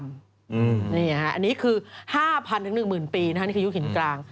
อันนี้คือ๕๐๐๑๐๐ปีนี่คือยุคหินกลาง